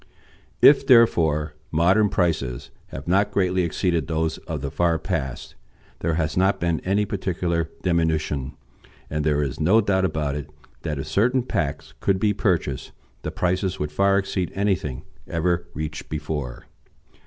If, therefore, modern prices have not greatly exceeded those of the far past, there has not been any particular diminution, and there is no doubt about it that if certain packs could be purchased the prices would far exceed anything ever reached before.